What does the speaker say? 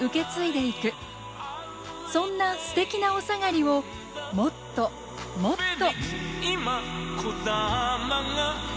そんなステキなおさがりをもっともっと。